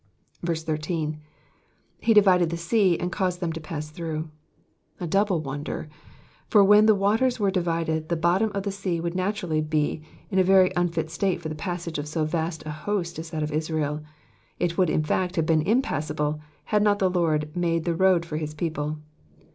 18. *'1/<J divided the sea^ and catmed them to pass through,'''* A double wonder, for when the waters were divided the bottom of the sea would naturally be in a very unfit stAte for the passage of so vast a host as that of Israel ; it would in fact have been impassable, had not the Lord made the road for his people.